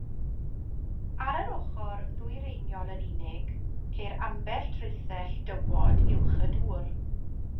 Ar yr ochr ddwyreiniol yn unig, ceir ambell draethell dywod uwch y dŵr.